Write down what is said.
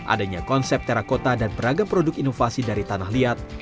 adanya konsep terakota dan beragam produk inovasi dari tanah liat